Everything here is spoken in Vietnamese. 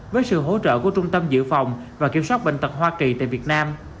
với sự hỗ trợ của trung tâm dự phòng và kiểm soát bệnh tật hoa kỳ tại việt nam